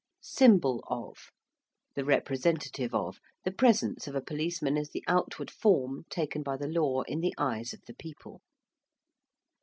~Symbol of~: the representative of; the presence of a policeman is the outward form taken by the law in the eyes of the people.